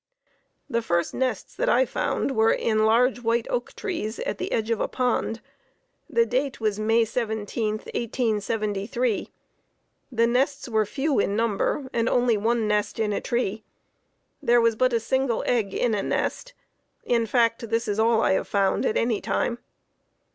The first nests that I found were in large white oak trees at the edge of a pond. The date was May 17, 1873. The nests were few in number and only one nest in a tree. There was but a single egg in a nest; in fact this is all I have found at any time.